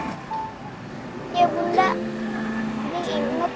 ini inget kok kesan bunda